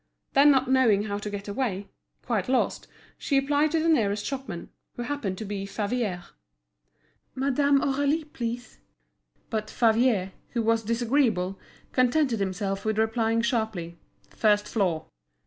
Then not knowing how to get away, quite lost, she applied to the nearest shopman, who happened to be Favier. "Madame Aurélie, please?" But Favier, who was disagreeable, contented himself with replying sharply: "First floor."